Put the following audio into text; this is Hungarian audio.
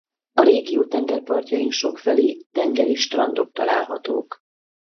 A régió tengerpartjain sokfelé tengeri strandok találhatók.